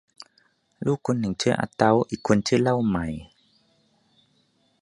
ลูกคนหนึ่งชื่ออาเต๊า อีกคนชื่อเล่าใหม่